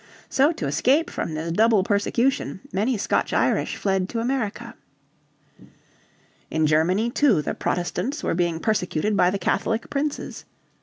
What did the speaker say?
So to escape from this double persecution many Scotch Irish fled to America. In Germany too the Protestants were being persecuted by the Catholic Princes.